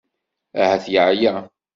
Ahat yeɛya.